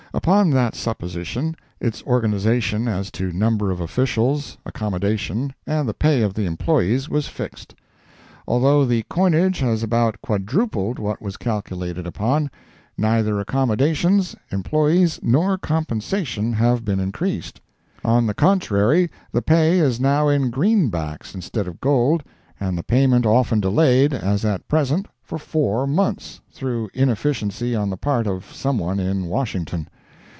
Upon that supposition, its organization as to number of officials, accommodation, and the pay of the employees, was fixed. Although the coinage has about quadrupled what was calculated upon, neither accommodations, employes nor compensation have been increased. On the contrary, the pay is now in green backs instead of gold, and the payment often delayed, as at present, for four months, through inefficiency on the part of some one in Washington.